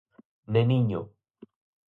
Neniño.